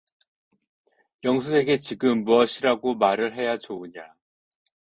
영숙에게 지금 무엇이라고 말을 해야 좋으냐.